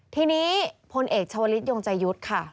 ทีนี้พลเอกชาวลิศยงใจยุทธ์ค่ะ